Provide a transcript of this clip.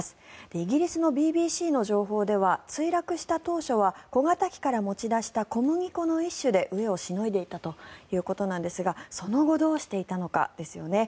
イギリスのＢＢＣの情報では墜落した当初は小型機から持ち出した小麦粉の一種で飢えをしのいでいたということなんですがその後どうしていたのかですよね。